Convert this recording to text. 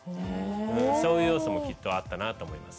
そういう要素もきっとあったなと思います。